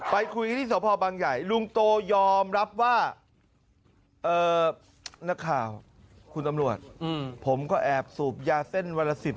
ไปคุยที่สพบังใหญ่ลุงโตยอมรับว่านักข่าวคุณตำรวจผมก็แอบสูบยาเส้นวันละ๑๐